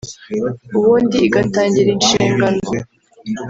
ubundi igatangira inshingano